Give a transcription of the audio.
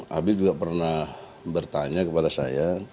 habib juga pernah bertanya kepada saya